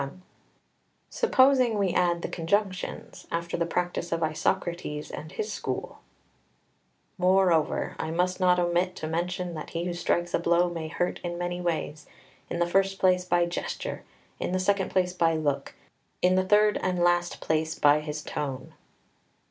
] XXI Supposing we add the conjunctions, after the practice of Isocrates and his school: "Moreover, I must not omit to mention that he who strikes a blow may hurt in many ways, in the first place by gesture, in the second place by look, in the third and last place by his tone."